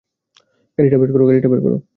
গাড়িটা বের কর।